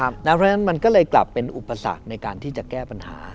เพราะฉะนั้นมันก็เลยกลับเป็นอุปสรรคในการที่จะแก้ปัญหา